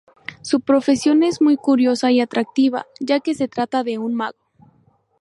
Su profesión es muy curiosa y atractiva, ya que se trata de un mago.